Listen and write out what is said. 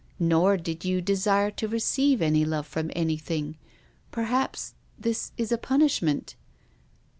Nor did you desire to receive any love from anything. Perhaps this is a punishment."